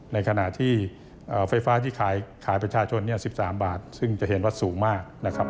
ในขณะที่ไฟฟ้าที่ขายประชาชน๑๓บาทซึ่งจะเห็นว่าสูงมากนะครับ